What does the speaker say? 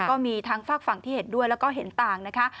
ก็มีทั้งฝากฝั่งที่เห็นด้วยแล้วก็เห็นต่างนะคะ